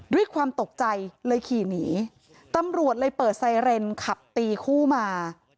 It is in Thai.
ด้วยความตกใจเลยขี่หนีตำรวจเลยเปิดไซเรนขับตีคู่มา